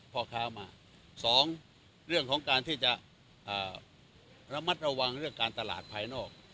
พ่อค้ามาสองเรื่องของการที่จะระมัดระวังเรื่องการตลาดภายนอก